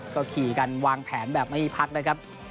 ก็ขี่กันวางแผนแบบไม่มีพักนะครับ